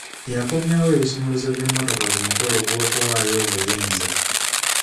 Yakomyawo ebisumuluzo by'emmotoka ku mukolo gw'okuwaayo obuyinza.